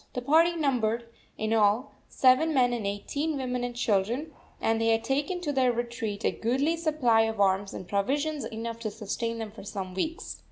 The party numbered, in all, seven men and eighteen women and children, and they had taken to their retreat a goodly supply of arms and provisions enough to sustain them for some weeks.